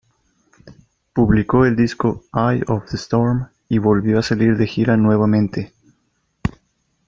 Publicó el disco "Eye of the Storm" y volvió a salir de gira nuevamente.